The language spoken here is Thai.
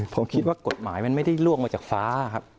ผมคิดว่ากฎหมายมันไม่ได้ล่วงมาจากฟ้าครับ